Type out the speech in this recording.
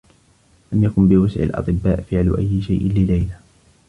لم يكن بوسع الأطبّاء فعل أيّ شيء لليلى.